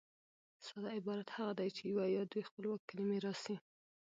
ساده عبارت هغه دئ، چي یوه یا دوې خپلواکي کلیمې راسي.